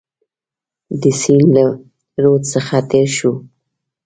د سیند له رود څخه تېر شو.